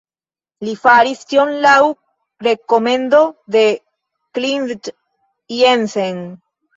Li faris tion laŭ rekomendo de Klindt-Jensen.